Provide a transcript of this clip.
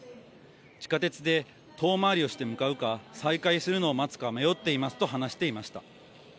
地下鉄で遠回りをして向かうか、再開するのを待つか迷っていますと話していました。